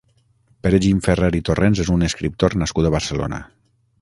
Pere Gimferrer i Torrens és un escriptor nascut a Barcelona.